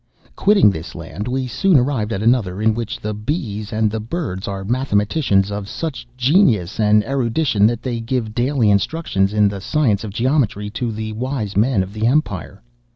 "'Quitting this land, we soon arrived at another in which the bees and the birds are mathematicians of such genius and erudition, that they give daily instructions in the science of geometry to the wise men of the empire.